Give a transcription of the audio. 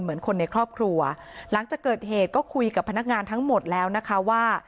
เหมือนคนในครอบครัวหลังจากเกิดเหตุก็คุยกับพนักงานทั้งหมดแล้วนะคะว่า